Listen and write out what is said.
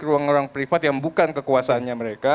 orang orang privat yang bukan kekuasaannya mereka